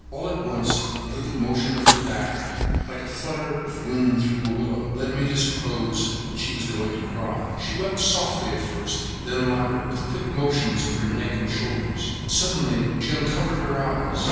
All at once a little motion of her back, like a flutter of wind through a willow, led me to suppose that she was going to cry. She wept softly at first, then louder, with quick motions of her neck and shoulders. Suddenly she uncovered her eyes.